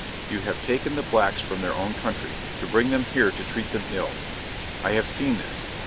You have taken the blacks from their own country, to bring them here to treat them ill. I have seen this.